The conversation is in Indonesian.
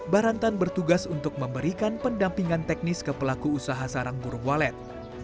barantan bertugas untuk memberikan pendampingan teknis ke pelaku usaha sarang burung walet